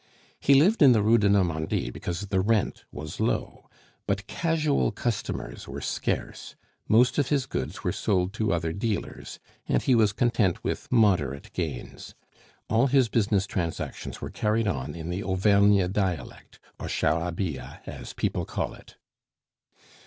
He lived in the Rue de Normandie because the rent was low, but casual customers were scarce, most of his goods were sold to other dealers, and he was content with moderate gains. All his business transactions were carried on in the Auvergue dialect or charabia, as people call it.